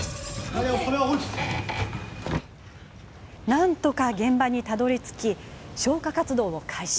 なんとか現場にたどりつき消火活動を開始。